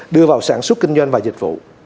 đưa vào sản xuất kinh doanh và dịch vụ